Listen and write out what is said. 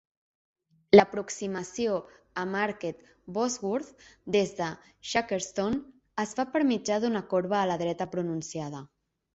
L'aproximació a Market Bosworth, des de Shackerstone, es fa per mitjà d'una corba a la dreta pronunciada.